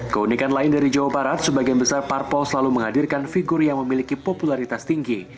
keunikan lain dari jawa barat sebagian besar parpol selalu menghadirkan figur yang memiliki popularitas tinggi